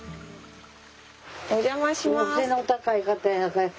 お邪魔します。